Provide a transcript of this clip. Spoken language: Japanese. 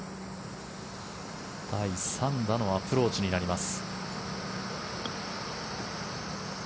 第３打のアプローチになります。